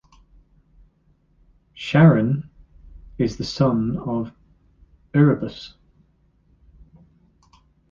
Charon is the son of Erebus.